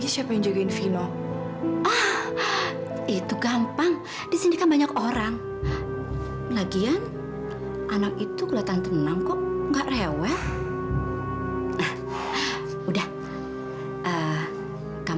sampai jumpa di video selanjutnya